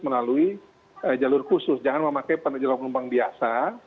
melalui jalur khusus jangan memakai penerja lombang biasa